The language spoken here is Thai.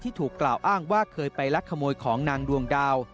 ถูกกล่าวอ้างว่าเคยไปลักขโมยของนางดวงดาว